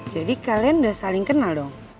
jadi kalian udah saling kenal dong